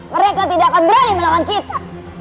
mereka tidak akan berani melawan kita